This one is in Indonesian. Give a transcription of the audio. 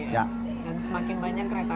dan semakin banyak kereta